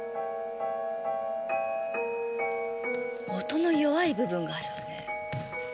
「」音の弱い部分があるわね。